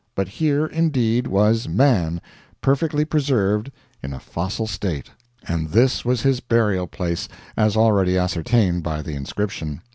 But here, indeed, was Man, perfectly preserved, in a fossil state. And this was his burial place, as already ascertained by the inscription.